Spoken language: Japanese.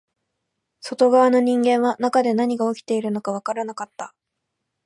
外側の人間は中で何が起きているのかわからなかった